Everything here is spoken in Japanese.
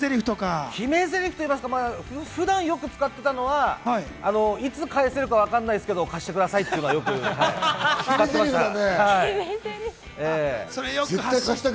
決めゼリフというか、普段よく使っていたのはいつ返せるかわからないですけど、貸してくださいっていうのはよく使ってました。